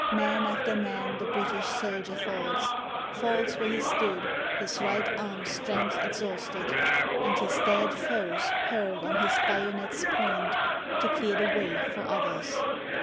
Man after man the British soldier falls, Falls where he stood, his right arm's strength exhausted, And his dead foes hurled on his bayonet's point, To clear the way for others!